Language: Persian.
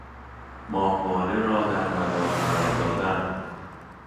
ماهواره را در مدار قرار دادن